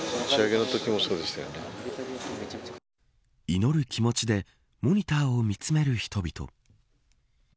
祈る気持ちでモニターを見つめる人々。